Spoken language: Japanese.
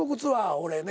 俺ね